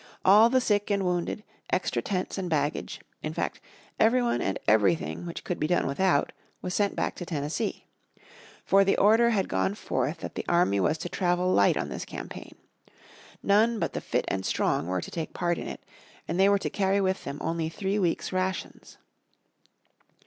All the sick and wounded, extra tents and baggage, in fact every one and everything which could be done without, was sent back to Tennessee. For the order had gone forth that the army was to travel light on this campaign. None but the fit and strong were to take part in it, and they were to carry with them only three weeks' rations.